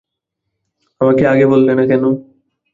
আমাকে আগে বললে না কেন?